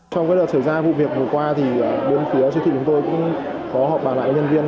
trong cái đợt xảy ra vụ việc vừa qua thì đơn phía siêu thị chúng tôi cũng có họp bảo lại nhân viên